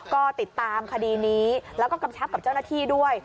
ก็ติดตามคดีนี้แล้วก็กำชับกับเจ้าหน้าที่ด้วย